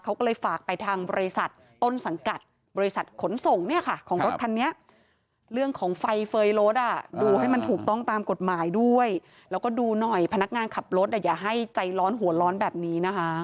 เขาก็เลยฝากไปทางบริษัทต้นสังกัดบริษัทขนส่งเนี่ยค่ะของรถคันนี้